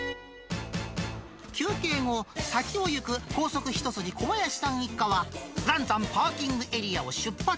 休憩後、先を行く高速一筋、小林さん一家は、嵐山パーキングエリアを出発。